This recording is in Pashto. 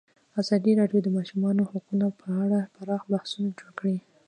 ازادي راډیو د د ماشومانو حقونه په اړه پراخ بحثونه جوړ کړي.